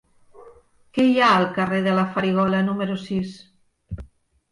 Què hi ha al carrer de la Farigola número sis?